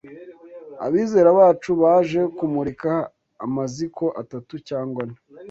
abizera bacu baje kumurika amaziko atatu cyangwa ane